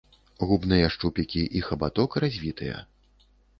Губныя шчупікі і хабаток развітыя.